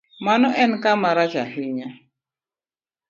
Mano en kama rach ahinya